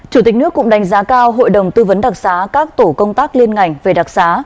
chủ tịch nước cũng đánh giá cao hội đồng tư vấn đặc xá các tổ công tác liên ngành về đặc xá